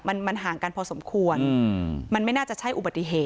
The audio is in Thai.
มันมันห่างกันพอสมควรมันไม่น่าจะใช่อุบัติเหตุ